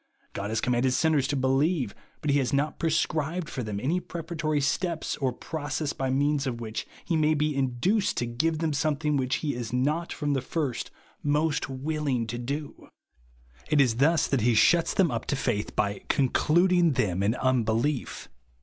God has commanded sinners to believe but he has not prescribed for them any preparatory steps or process by means of which he may be induced to give them something ichich he is not from the first most vAlllng to do. It is thus that he shuts them up to faith, by "concluding them in unbelief."